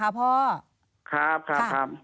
ครับครับครับ